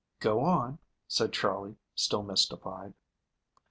"Go on," said Charley, still mystified.